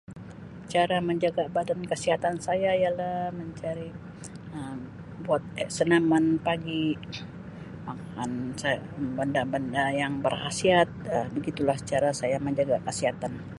Cara menjaga badan kesihatan saya ialah mencari Um buat Um senaman pagi, makan sa-benda-benda yang berkhasiat, Um begitulah cara saya menjaga kesihatan.